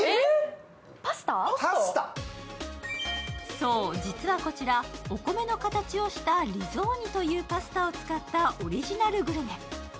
そう、実はこちらお米の形をしたリゾーニというパスタを使ったオリジナルグルメ。